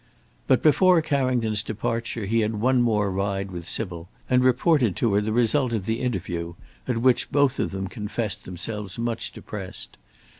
But before Carrington's departure he had one more ride with Sybil, and reported to her the result of the interview, at which both of them confessed themselves much depressed.